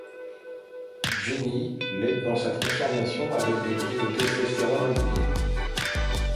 Jenny l'aide dans sa transformation, avec des prises de testostérone régulières.